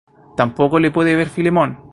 Tampoco le puede ver Filemón.